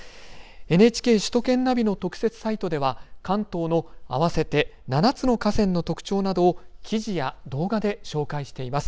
ＮＨＫ首都圏ナビの特設サイトでは関東の合わせて７つの河川の特徴などを記事や動画で紹介しています。